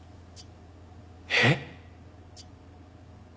えっ？